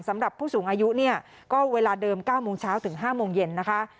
สำหรับผู้สูงอายุเนี่ยก็เวลาเดิม๙โมงเช้าถึง๕โมงเย็นนะคะ